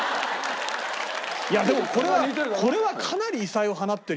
いやでもこれはこれはかなり異彩を放ってるよ。